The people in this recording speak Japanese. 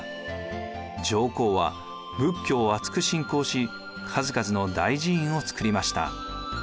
上皇は仏教をあつく信仰し数々の大寺院を造りました。